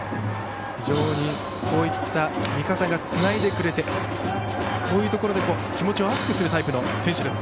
非常にこういった味方がつないでくれてそういうところで気持ちを熱くするタイプの選手